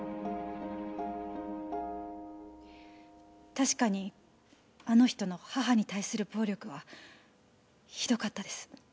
確かにあの人の母に対する暴力はひどかったです。